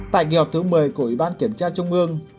tại kỳ họp thứ một mươi của ủy ban kiểm tra trung ương